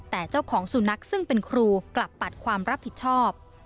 แต่เจ้าของสุนัขซึ่งเป็นครูกลับปัดความรับผิดชอบ